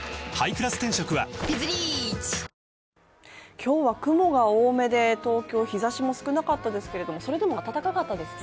今日は雲が多めで東京、日ざしも少なかったですけれどもそれでも暖かかったですね。